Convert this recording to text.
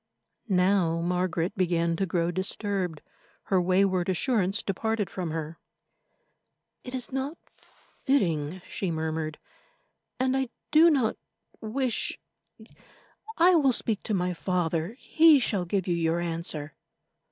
Now Margaret began to grow disturbed; her wayward assurance departed from her. "It is not fitting," she murmured, "and I do not wish—I will speak to my father; he shall give you your answer."